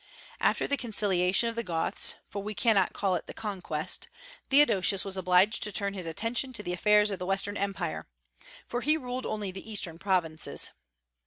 After the conciliation of the Goths, for we cannot call it the conquest, Theodosius was obliged to turn his attention to the affairs of the Western Empire; for he ruled only the Eastern provinces.